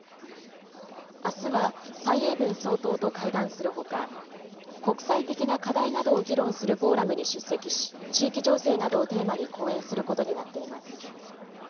あすは蔡英文総統と会談するほか、国際的な課題などを議論するフォーラムに出席し、地域情勢などをテーマに講演することになっています。